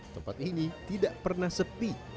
tempat ini tidak pernah sepi